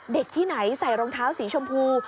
ที่ไหนใส่รองเท้าสีชมพู